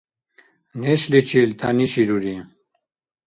Нешличил тяниширури.